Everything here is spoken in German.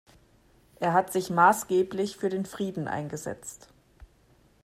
Er hat sich maßgeblich für den Frieden eingesetzt.